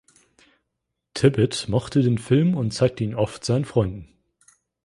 Tibbett mochte den Film und zeigte ihn oft seinen Freunden.